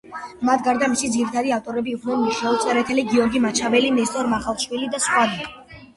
მათ გარდა, მისი ძირითადი ავტორები იყვნენ მიხეილ წერეთელი, გიორგი მაჩაბელი, ნესტორ მაღალაშვილი და სხვანი.